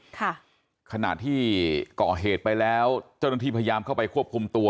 ค่ะขณะที่ก่อเหตุไปแล้วเจ้าดนตรีพยายามเข้าไปควบคุมตัว